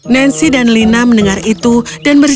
nancy dan lina mendengar itu dan berjalan ke rumah